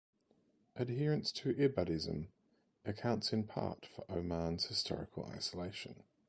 Adherence to Ibadism accounts in part for Oman's historical isolation.